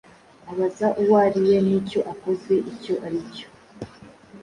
abaza uwo ari we, n’icyo akoze icyo ari cyo.”